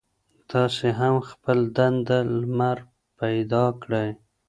تاسې هم خپل دننه لمر پیدا کړئ.